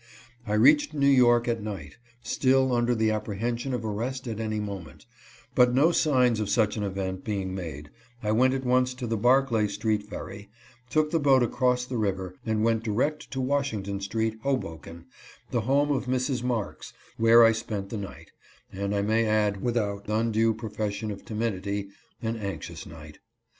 I reached New York at night, still under the apprehension of arrest at any moment, but no signs of such an event being made, I went at once to the Barclay street ferry, took the boat across the river, and went direct to Washington street, Hoboken, the home of Mrs. Marks, where I spent the night, and I may add without undue profession of timidity, an anxious night.